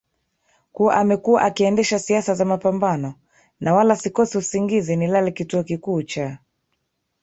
kuwa amekuwa akiendesha siasa za mapambanoNa wala sikosi usingizi Nilale kituo kikuu cha